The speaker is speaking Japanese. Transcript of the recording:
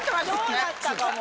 そうだったかも。